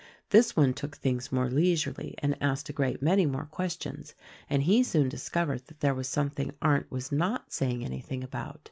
This one took things more leisurely and asked a great many more questions, and he soon discovered that there was something Arndt was not saying anything about.